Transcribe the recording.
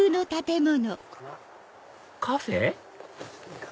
カフェ？